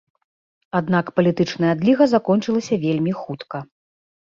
Аднак палітычная адліга закончылася вельмі хутка.